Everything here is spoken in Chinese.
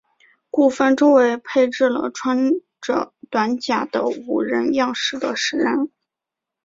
古坟周围配置了穿着短甲的武人样式的石人。